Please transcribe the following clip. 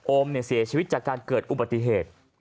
เสียชีวิตจากการเกิดอุบัติเหตุ